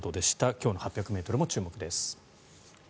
今日の８００ｍも注目です。